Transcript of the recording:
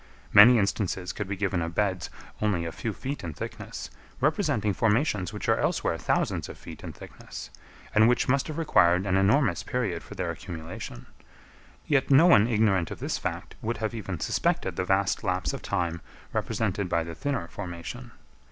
Many instances could be given of beds, only a few feet in thickness, representing formations which are elsewhere thousands of feet in thickness, and which must have required an enormous period for their accumulation; yet no one ignorant of this fact would have even suspected the vast lapse of time represented by the thinner formation.